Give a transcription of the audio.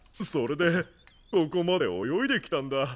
それでここまで泳いできたんだ。